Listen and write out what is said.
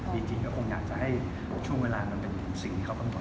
บีจิก็คงอยากจะให้ช่วงเวลามันเป็นสิ่งที่เขาต้องรู้